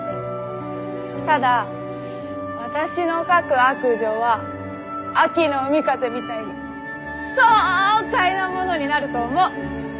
ただ私の書く悪女は秋の海風みたいに爽快なものになると思う。